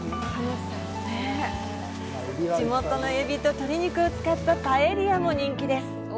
地元もエビと鶏肉を使ったパエリヤも人気です。